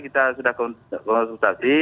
kita sudah konsultasi